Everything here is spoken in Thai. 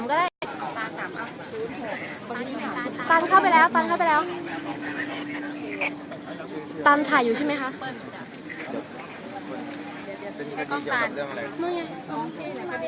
พี่เข้าพี่เข้าหลุบไปนู่นเลยน่ะหน้ากลุ่ม